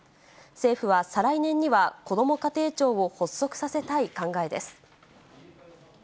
政府は再来年にはこども家庭庁を発足させたい考えです。